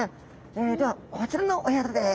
ではこちらのお宿です。